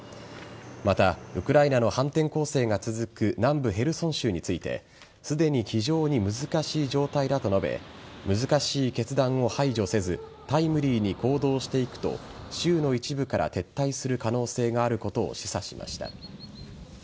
また、ウクライナの反転攻勢が続く南部・ヘルソン州についてすでに非常に難しい状態だと述べ難しい決断を排除せずタイムリーに行動していくと州の一部から撤退する可能性があることを示唆しました。